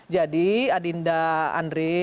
jadi adinda andre